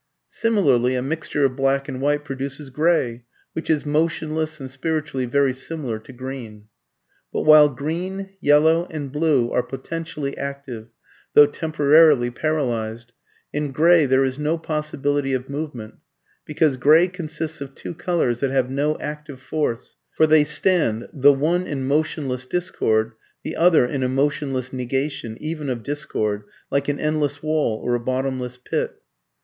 Similarly a mixture of black and white produces gray, which is motionless and spiritually very similar to green. But while green, yellow, and blue are potentially active, though temporarily paralysed, in gray there is no possibility of movement, because gray consists of two colours that have no active force, for they stand the, one in motionless discord, the other in a motionless negation, even of discord, like an endless wall or a bottomless pit.